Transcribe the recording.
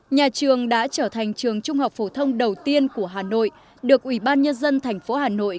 nhà trường đã trở thành trường trung học phổ thông đầu tiên của hà nội được ủy ban nhân dân thành phố hà nội